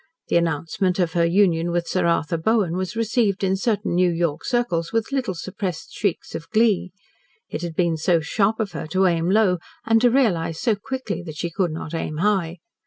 The announcement of her union with Sir Arthur Bowen was received in certain New York circles with little suppressed shrieks of glee. It had been so sharp of her to aim low and to realise so quickly that she could not aim high.